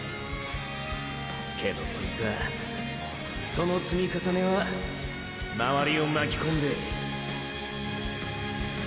けどそいつはその積み重ねはまわりをまきこんでーー。